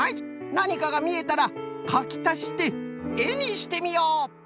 なにかがみえたらかきたしてえにしてみよう。